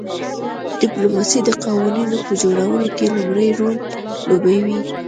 ډیپلوماسي د قوانینو په جوړولو کې لومړی رول لوبوي